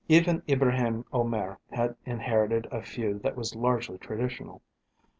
Even Ibraheim Omair had inherited a feud that was largely traditional.